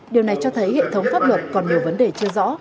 điều này cho thấy hệ thống pháp luật còn nhiều vấn đề chưa rõ